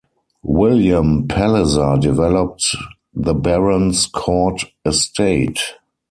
William Palliser developed the Barons Court estate.